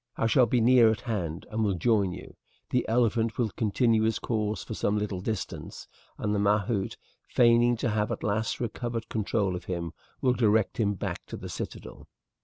I shall be near at hand and will join you. The elephant will continue his course for some little distance, and the mahout, feigning to have at last recovered control over him, will direct him back to the citadel."